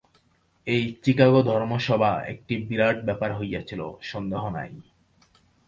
এই চিকাগো ধর্মমহাসভা একটি বিরাট ব্যাপার হইয়াছিল, সন্দেহ নাই।